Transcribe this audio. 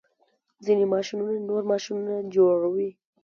ځینې ماشینونه نور ماشینونه جوړوي.